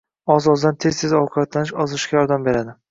Oz-ozdan tez-tez ovqatlanish ozishga yordam beradi.